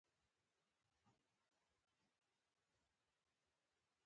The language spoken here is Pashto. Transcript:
احساساتو شپې تېرې شوې.